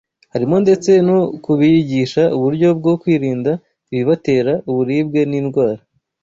harimo ndetse no kubigisha uburyo bwo kwirinda ibibatera uburibwe n’indwara.